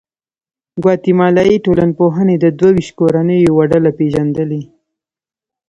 ګواتیمالایي ټولنپوهې د دوه ویشت کورنیو یوه ډله پېژندلې.